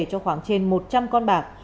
cho khoảng trên một trăm linh con bạc